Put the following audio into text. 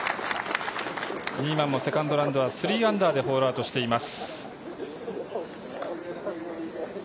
ニーマンもセカンドラウンドは３アンダーでホールアウトしています。